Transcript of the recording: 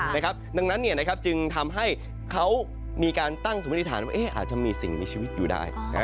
ดังนั้นจึงทำให้เขามีการตั้งสมมติฐานว่าอาจจะมีสิ่งมีชีวิตอยู่ได้